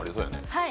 はい。